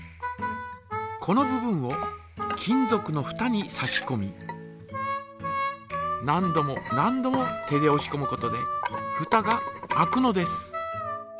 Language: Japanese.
この部分を金ぞくのふたに差しこみ何度も何度も手でおしこむことでふたが開くのです。